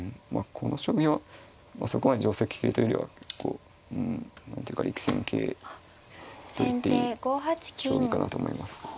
この将棋はそこまで定跡形というよりはこううん何ていうか力戦形と言っていい将棋かなと思います。